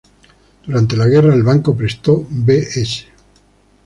Durante la guerra, el banco prestó Bs.